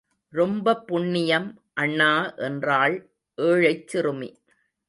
ரொம்பப் புண்ணியம், அண்ணா என்றாள் ஏழைச்சிறுமி.